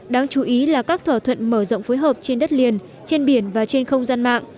đáng chú ý là các thỏa thuận mở rộng phối hợp trên đất liền trên biển và trên không gian mạng